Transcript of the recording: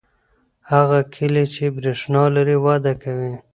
هغه کلی چې برېښنا لري وده کوي.